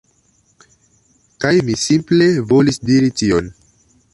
Kaj mi simple volis diri tion.